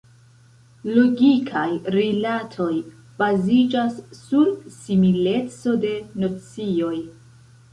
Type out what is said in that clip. Logikaj rilatoj baziĝas sur simileco de nocioj.